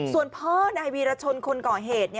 ส่วนพ่อนายวีรชนคนก่อเหตุ